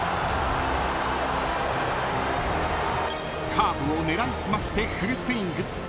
［カーブを狙い澄ましてフルスイング］